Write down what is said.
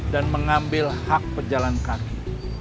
dan mengambil hak pejalan kaki